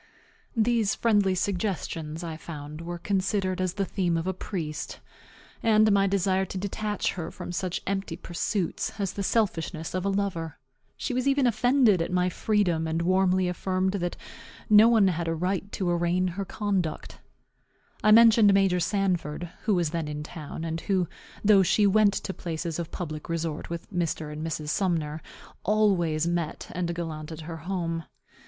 These friendly suggestions, I found, were considered as the theme of a priest, and my desire to detach her from such empty pursuits as the selfishness of a lover. She was even offended at my freedom, and warmly affirmed that no one had a right to arraign her conduct. I mentioned Major Sanford, who was then in town, and who (though she went to places of public resort with Mr. and Mrs. Sumner) always met and gallanted her home.